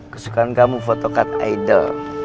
kesukaan kamu fotocard idol